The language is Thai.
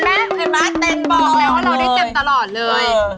เห็นไหมเต็มบอกแล้วว่าเราได้เต็มตลอดเลย